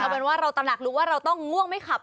เป็นว่าเราตำหนักรู้ว่าเราต้องง่วงไม่ขับ